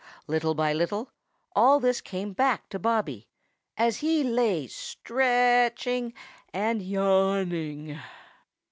Little by little, all this came back to Bobby, as he lay stretching and yawning.